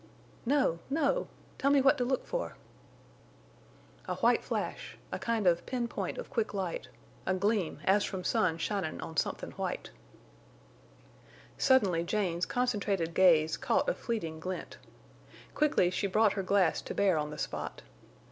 "No, no. Tell me what to look for?" "A white flash—a kind of pin point of quick light—a gleam as from sun shinin' on somethin' white." Suddenly Jane's concentrated gaze caught a fleeting glint. Quickly she brought her glass to bear on the spot.